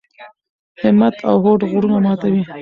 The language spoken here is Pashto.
همت او هوډ غرونه ماتوي.